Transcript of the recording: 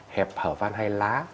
hẹp hở van hay lá